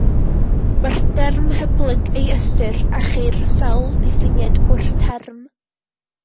Mae'n derm hyblyg ei ystyr, a cheir sawl diffiniad o'r term.